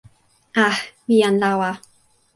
a, mi jan lawa.